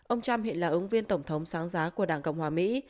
ông trump hiện là ứng viên tổng thống sáng giá của đảng cộng hòa mỹ